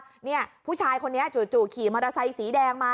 เนี่ยผู้ชายคนนี้จู่ขี่มอเตอร์ไซค์สีแดงมา